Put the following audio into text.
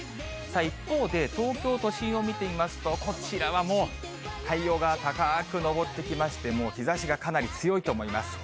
一方で、東京都心を見てみますとこちらはもう、太陽が高く昇ってきまして、もう日ざしがかかり強いと思います。